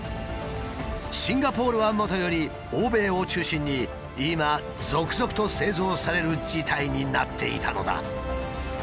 シンガポールはもとより欧米を中心に今続々と製造される事態になっていたのだ。